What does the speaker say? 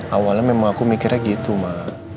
awalnya memang aku mikirnya gitu mbak